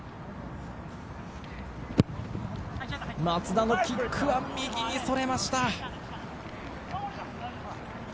松田のキックは右にそれました。